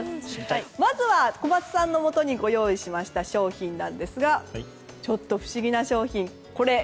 まずは小松さんのもとにご用意した商品なんですがちょっと不思議な商品。